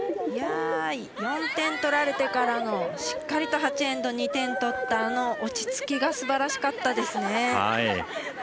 ４点取られてからのしっかりと８エンド２点取ったあの落ち着きがすばらしかったですね。